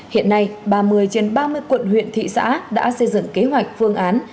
hiện nay ba mươi trên ba mươi quận huyện thị xã đã xây dựng kế hoạch phương án